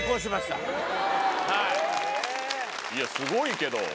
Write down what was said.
いやすごいけど。